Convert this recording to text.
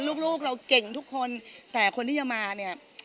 ลูกเราเก่งทุกคนแต่คนที่จะมาเนี่ย